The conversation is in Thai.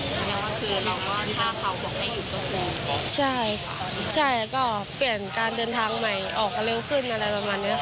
แสดงว่าคือเราก็ถ้าเขาบอกให้หยุดก็คงใช่ใช่ก็เปลี่ยนการเดินทางใหม่ออกกันเร็วขึ้นอะไรประมาณเนี้ยค่ะ